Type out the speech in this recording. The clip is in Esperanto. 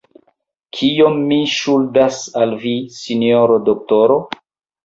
Kiom mi ŝuldas al vi, sinjoro doktoro?